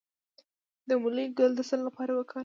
د مولی ګل د څه لپاره وکاروم؟